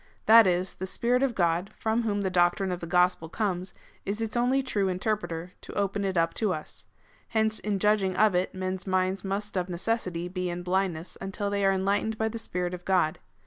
That is, the Spirit of God, from whom the doctrine of the gospel comes, is its only true interpreter, to open it up to us. Hence in judging of it, men's minds must of necessity be in blindness until they are enlightened by the Spirit of God.